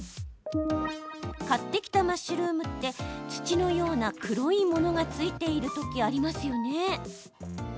買ってきたマッシュルームって土のような黒いものがついている時ありますよね？